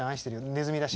ねずみだし。